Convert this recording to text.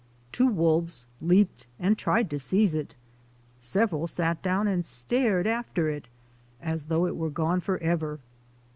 Two wolves leaped and tried to seize it. Several sat down and stared after it as though it were gone forever.